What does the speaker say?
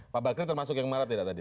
pak bakri termasuk yang marah tidak tadi